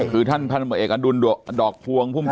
ใช่ครับผม